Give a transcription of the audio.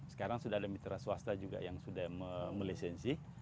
sekarang sudah ada mitra swasta juga yang sudah melisensi